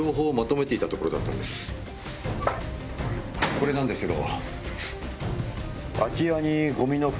これなんですけど。